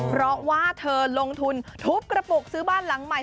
เพราะว่าเธอลงทุนทุบกระปุกซื้อบ้านหลังใหม่